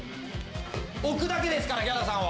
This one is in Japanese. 置くだけですからヒャダさんは。